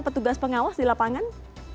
petugas pengawas di lapangan